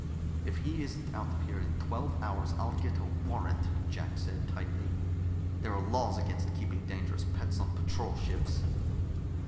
"If he isn't out of here in twelve hours, I'll get a warrant," Jack said tightly. "There are laws against keeping dangerous pets on patrol ships."